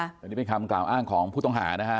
อันนี้เป็นคำกล่าวอ้างของผู้ต้องหานะฮะ